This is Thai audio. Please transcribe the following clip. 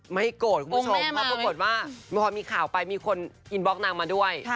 ไม่โกรธคุณผู้ชมพอมีข่าวไปมีคนอินบล็อคนางมาด้วย